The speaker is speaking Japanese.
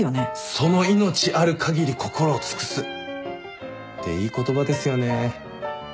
「その命あるかぎり心を尽くす」っていい言葉ですよね。